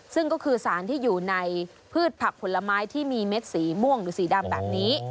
ซึ่งก็คือสารที่อยู่ในพืชผักผลไม้ที่มีเม็ดสีม่วงหรือสีดำแบบนี้